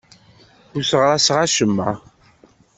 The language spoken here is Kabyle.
Ur sseɣraseɣ acemma.